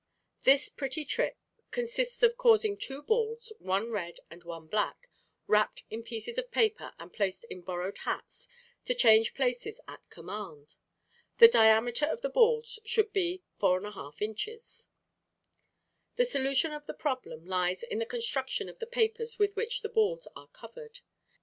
—This pretty trick consists of causing two balls, one red and one black, wrapped in pieces of paper and placed in borrowed hats, to change places at command. The diameter of the balls should be 4½ in. The solution of the problem lies in the construction of the papers with which the balls are covered.